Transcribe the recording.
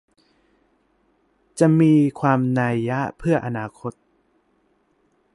จะมีความนัยเพื่ออนาคต